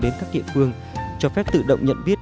đến các địa phương cho phép tự động nhận biết